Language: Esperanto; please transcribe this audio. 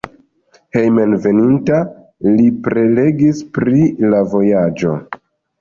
Hejmenveninta li prelegis pri la vojaĝo.